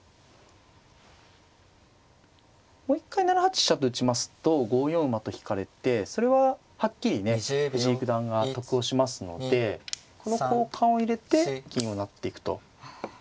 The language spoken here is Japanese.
もう一回７八飛車と打ちますと５四馬と引かれてそれははっきりね藤井九段が得をしますのでこの交換を入れて銀を成っていくと。